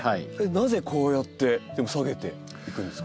なぜこうやって下げていくんですか？